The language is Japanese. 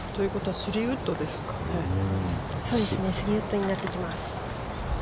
３番ウッドになってきます。